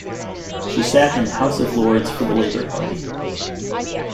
She sat in the House of Lords for the Labour Party.